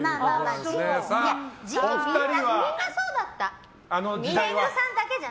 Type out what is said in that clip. でも、みんなそうだったよ。